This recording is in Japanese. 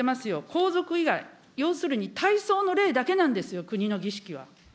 皇族以外、要するに大喪の礼だけなんですよ、国の儀式は。